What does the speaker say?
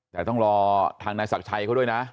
แต่ต้องรอทางนายศักดิ์ชัยเขาด้วยนะ